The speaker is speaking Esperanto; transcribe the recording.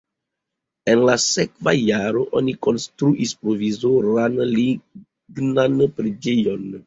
En la sekva jaro oni konstruis provizoran lignan preĝejon.